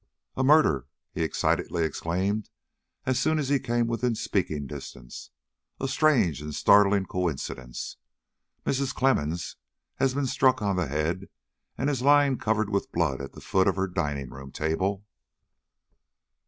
"A murder!" he excitedly exclaimed, as soon as he came within speaking distance. "A strange and startling coincidence. Mrs. Clemmens has been struck on the head, and is lying covered with blood at the foot of her dining room table."